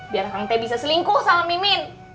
biar aku bisa selingkuh sama mimin